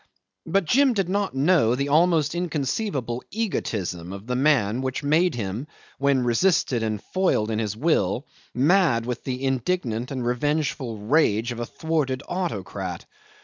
But Jim did not know the almost inconceivable egotism of the man which made him, when resisted and foiled in his will, mad with the indignant and revengeful rage of a thwarted autocrat.